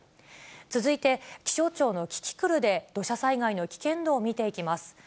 続いて、気象庁のキキクルで、土砂災害の危険度を見ていきます。